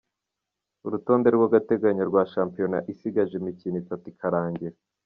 Urutonde rw'agateganyo rwa shampiyona isigaje imikino itatu ikarangira.